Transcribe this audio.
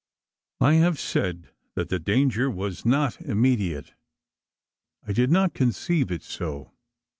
I have said that the danger was not immediate. I did not conceive it so.